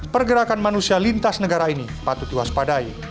pergerakan manusia lintas negara ini patut diwaspadai